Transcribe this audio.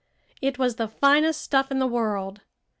It was the finest stuff in the world.